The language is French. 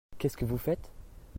Qu'est-ce que vous faites ?